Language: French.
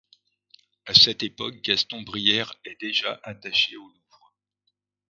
À cette époque, Gaston Brière est déjà attaché au Louvre.